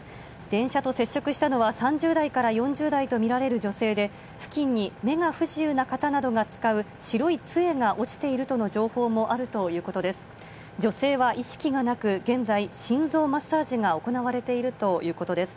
電車と接触したのは、３０代から４０代と見られる女性で、付近に目が不自由な方などが使う、白いつえが落ちているとの情報もあるということです。